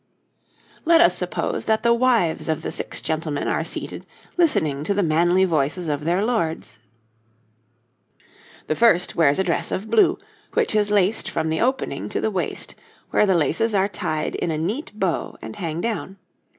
Let us suppose that the wives of the six gentlemen are seated listening to the manly voices of their lords. The first wears a dress of blue, which is laced from the opening to the waist, where the laces are tied in a neat bow and hang down.